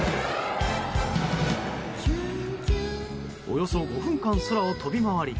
およそ５分間、空を飛び回り